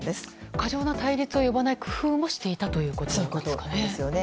過剰な対立を呼ばない工夫もしていたということですね。